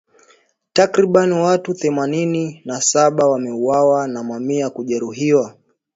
Takribani watu thamanini na saba wameuawa na mamia kujeruhiwa.